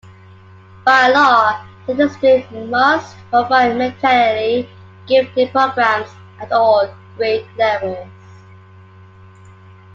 By law, the district must provide mentally gifted programs at all grade levels.